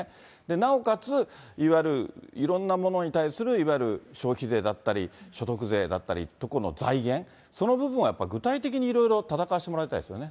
なおかつ、いわゆるいろんなものに対するいわゆる消費税だったり、所得税だったり、今度財源、その部分はやっぱり具体的に、いろいろ戦わせてもらいたいですよね。